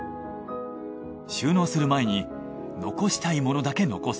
収納する前に残したいものだけ残す。